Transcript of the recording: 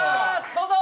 どうぞ。